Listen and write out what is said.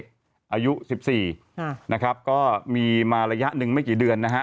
ก็มีรายการมีรยายหนึ่งไม่กี่เดือนนะครับ